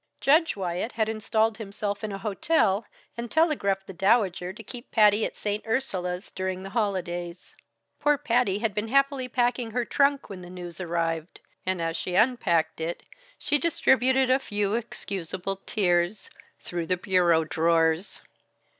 Judge Wyatt had installed himself in a hotel and telegraphed the Dowager to keep Patty at St. Ursula's during the holidays. Poor Patty had been happily packing her trunk when the news arrived; and as she unpacked it, she distributed a few excusable tears through the bureau drawers.